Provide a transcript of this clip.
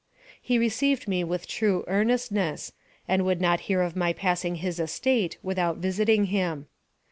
He received me with true earnestness, and would not hear of my passing his estate without visiting him.